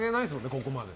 ここまで。